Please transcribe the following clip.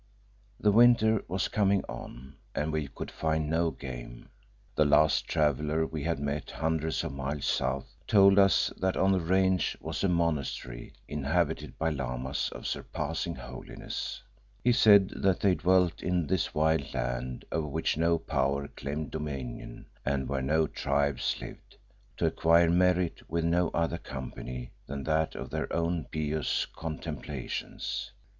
The winter was coming on and we could find no game. The last traveller we had met, hundreds of miles south, told us that on that range was a monastery inhabited by Lamas of surpassing holiness. He said that they dwelt in this wild land, over which no power claimed dominion and where no tribes lived, to acquire "merit," with no other company than that of their own pious contemplations.